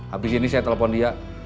habis ini saya telepon dia